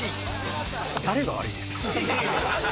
誰が悪いですか？